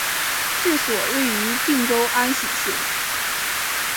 治所位于定州安喜县。